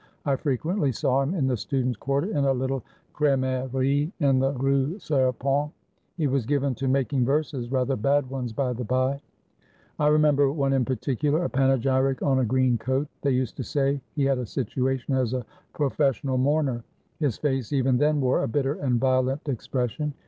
I frequently saw him in the students' quarter in a little cremerie in the Rue Ser pente. He was given to making verses, rather bad ones by the bye; I remember one in particular, a panegyric on a green coat. They used to say he had a situation as a professional mourner. His face even then wore a bitter and violent expression.